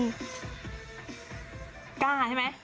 กล้าใช่ไหม